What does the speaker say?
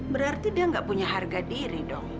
berarti dia nggak punya harga diri dong